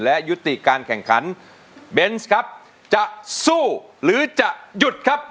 และยุติการแข่งขันเบนส์ครับจะสู้หรือจะหยุดครับ